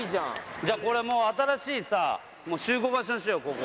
じゃあこれもう、新しいさ、集合場所にしよう、ここ。